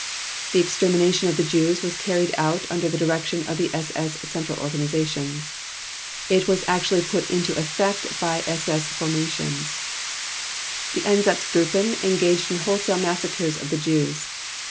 The extermination of the Jews was carried out under the direction of the SS Central Organizations. It was actually put into effect by SS formations. The Einstzgruppen engaged in wholesale massacres of the Jews.